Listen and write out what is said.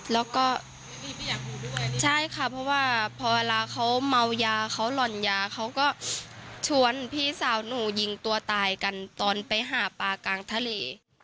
แล้วก็ใช่ค่ะเพราะว่าพอเวลาเขาเมายาเขาหล่อนยาเขาก็ชวนพี่สาวหนูยิงตัวตายกันตอนไปหาปลากลางทะเล